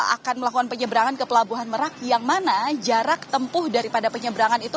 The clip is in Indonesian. akan melakukan penyeberangan ke pelabuhan merak yang mana jarak tempuh daripada penyeberangan itu